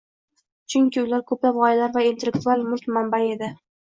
Chunki ular koʻplab gʻoyalar va intellektual mulk manbai edi.